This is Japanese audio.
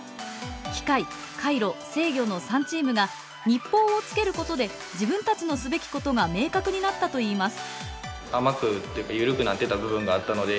機械回路制御の３チームが日報をつけることで自分たちのすべきことが明確になったといいます。